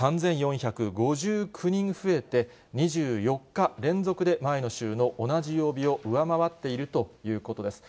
３４５９人増えて、２４日連続で前の週の同じ曜日を上回っているということです。